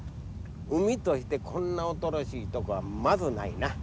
海としてこんなおとろしいとこはまずないな。